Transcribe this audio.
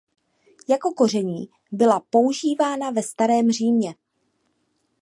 Jako koření byla používána ve Starém Římě.